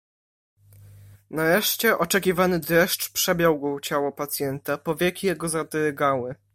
"Nareszcie oczekiwany dreszcz przebiegł ciało pacjenta, powieki jego zadrgały."